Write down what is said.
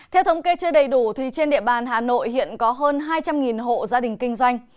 theo thống kê chưa đầy đủ thì trên địa bàn hà nội hiện có hơn hai trăm linh hộ gia đình kinh doanh